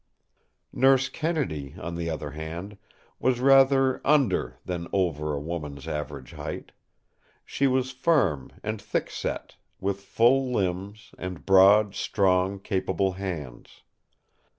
Nurse Kennedy, on the other hand, was rather under than over a woman's average height. She was firm and thickset, with full limbs and broad, strong, capable hands.